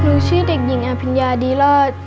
ชื่อเด็กหญิงอภิญญาดีรอด